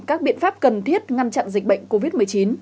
các biện pháp cần thiết ngăn chặn dịch bệnh covid một mươi chín